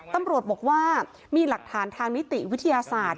ตำรวจบอกว่ามีหลักฐานทางนิติวิทยาศาสตร์